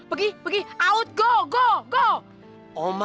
pergi pergi out go go go